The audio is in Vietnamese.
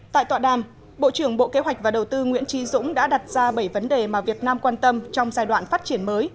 tại tọa đàm bộ trưởng bộ kế hoạch và đầu tư nguyễn trí dũng đã đặt ra bảy vấn đề mà việt nam quan tâm trong giai đoạn phát triển mới